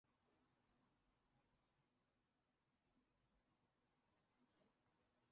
阿尔卑西亚里的一座新的专门建造的音乐厅将是文化奥运的焦点。